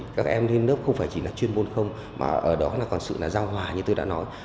các em lên lớp không phải chỉ là chuyên môn không mà ở đó là còn sự là giao hòa như tôi đã nói